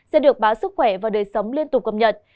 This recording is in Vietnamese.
sẽ được báo sức khỏe và đời sống liên tục cập nhật